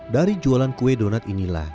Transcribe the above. dari jualan kue donat inilah